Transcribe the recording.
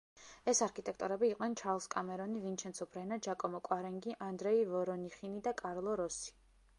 ეს არქიტექტორები იყვნენ: ჩარლზ კამერონი, ვინჩენცო ბრენა, ჯაკომო კვარენგი, ანდრეი ვორონიხინი და კარლო როსი.